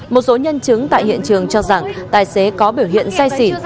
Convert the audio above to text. một số nhân chứng tại hiện trường cho rằng tài xế có biểu hiện say xỉn